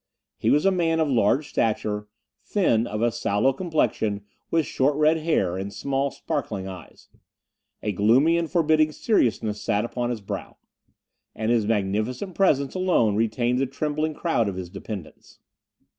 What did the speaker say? He was a man of large stature, thin, of a sallow complexion, with short red hair, and small sparkling eyes. A gloomy and forbidding seriousness sat upon his brow; and his magnificent presents alone retained the trembling crowd of his dependents.